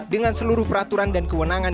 dengan seluruh peraturan dan kewenangan